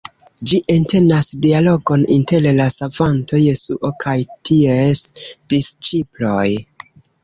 Ĝi entenas dialogon inter la Savanto Jesuo kaj ties disĉiploj.